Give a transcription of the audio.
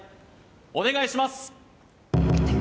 お願いします